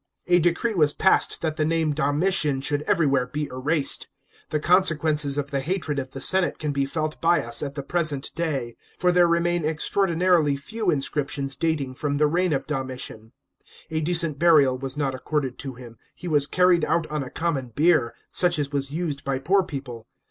A decree was passed that the name Domitian should everywl ere be erased. The consequences of the hatred ot the senate can be felt by us at the present day ; for there remain extraordinarily lew inscriptions dating from the reign of Domitian. A decent burial was uot accorded to him; he was carried out on a common bier, such as was used by poor pe< ple.